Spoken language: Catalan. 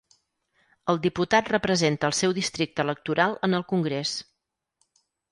El diputat representa el seu districte electoral en el Congrés.